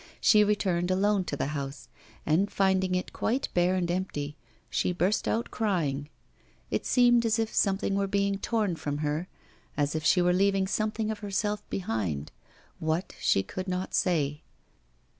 She returned alone to the house; and finding it quite bare and empty, she burst out crying. It seemed as if something were being torn from her, as if she were leaving something of herself behind what, she could not say.